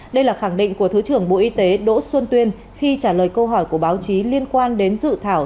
đây là khẳng định của thứ trưởng bộ y tế đỗ xuân tuyên khi trả lời câu hỏi của báo chí liên quan đến dự thảo